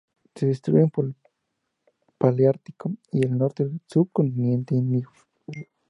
Se distribuyen por el paleártico y el norte del subcontinente Indio.